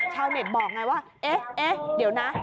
ชาวเน็ตบอกไงว่าเอ๊ะเดี๋ยวนะ